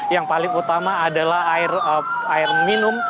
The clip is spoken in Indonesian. yang paling utama adalah air minum